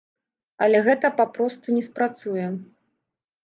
Але гэта папросту не спрацуе.